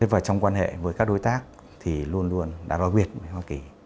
và trong quan hệ với các đối tác thì luôn luôn đa loa việt với hoa kỳ